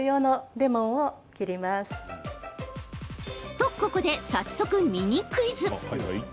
と、ここで早速ミニクイズ。